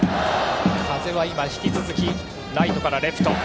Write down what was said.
風は今引き続きライトからレフト。